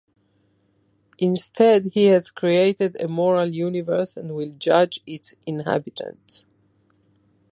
Instead he has created a moral universe and will judge its inhabitants.